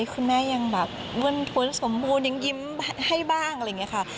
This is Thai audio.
คุณแม่ยังแบบเงินพ้นสมบูรณ์ยังยิ้มให้บ้างอะไรอย่างนี้ค่ะ